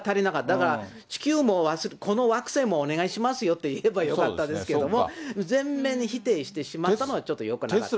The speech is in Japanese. だから地球も、この惑星もお願いしますよと言えばよかったんですけど、全面否定してしまったのがよくなかった。